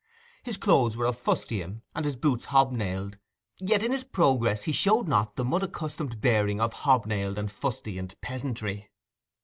His clothes were of fustian, and his boots hobnailed, yet in his progress he showed not the mud accustomed bearing of hobnailed and fustianed peasantry.